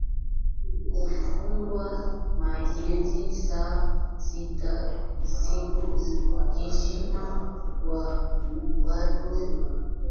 kufungua mageti saa sita usiku kijana wa watu aliyejiajiri kupitia muziki amepata hasara